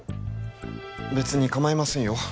別にかまいませんよ